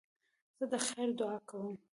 زه د خیر دؤعا کوم.